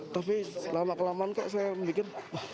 tapi lama kelamaan saya memikir